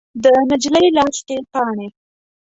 د نجلۍ لاس کې پاڼې